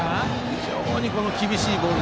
非常に厳しいボール